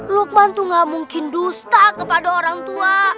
lukman tuh gak mungkin dusta kepada orang tua